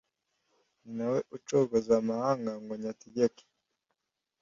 ni na we ucogoza amahanga ngo nyategeke